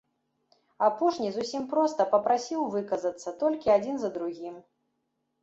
Апошні зусім проста папрасіў выказацца, толькі адзін за другім.